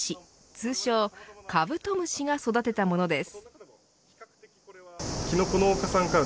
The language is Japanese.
通称カブトムシが育てたものです。